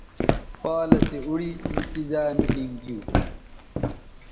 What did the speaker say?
پالسے اوڑی می تیزائ میٹنگ گیو